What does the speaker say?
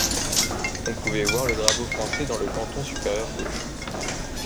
On pouvait voir le drapeau français dans le canton supérieur gauche.